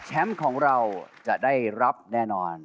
ของเราจะได้รับแน่นอน